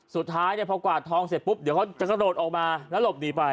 สุดท้ายเนี่ยพอกวาดทองเสร็จปุ๊บเดี๋ยวเขาจะกระโดดออกมาแล้วหลบหนีไป